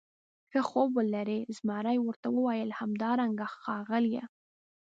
ښه خوب ولرې، زمري ورته وویل: همدارنګه ښاغلی.